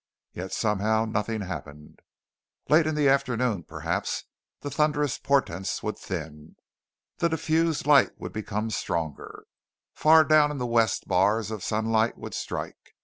Yet somehow nothing happened. Late in the afternoon, perhaps, the thunderous portents would thin. The diffused light would become stronger. Far down in the west bars of sunlight would strike.